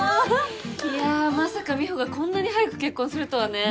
いやまさか美帆がこんなに早く結婚するとはね。